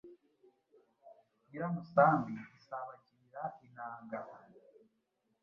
Nyiramusambi isabagirira inanga